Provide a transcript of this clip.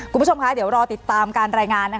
คุณผู้ชมคะเดี๋ยวรอติดตามการรายงาน